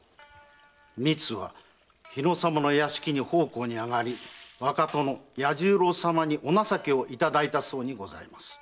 みつは日野様の屋敷に奉公に上がり若殿・弥十郎様にお情けをいただいたそうにございます。